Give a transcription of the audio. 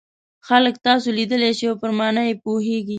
خلک تاسو لیدلای شي او پر مانا یې پوهیږي.